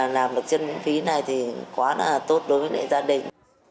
làm được chân miễn phí này thì quá là tốt đối với gia đình